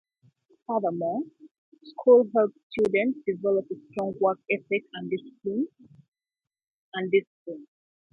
Furthermore, school helps students develop a strong work ethic and discipline.